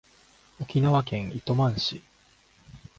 沖縄県糸満市